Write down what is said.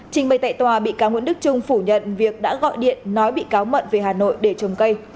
trình bày tại tòa bị cáo nguyễn đức trung phủ nhận việc đã gọi điện nói bị cáo mận về hà nội để trồng cây